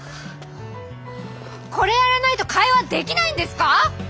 これやらないと会話できないんですか！？